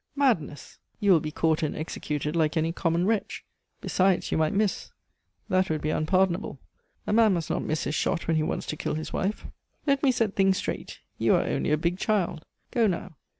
"Madness! you will be caught and executed like any common wretch. Besides you might miss! That would be unpardonable. A man must not miss his shot when he wants to kill his wife. Let me set things straight; you are only a big child. Go now.